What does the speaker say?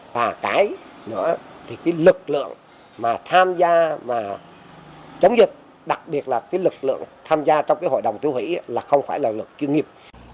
và cái nữa thì lực lượng tham gia chống dịch đặc biệt là lực lượng tham gia trong hội đồng tiêu hủy là không phải lực kinh nghiệp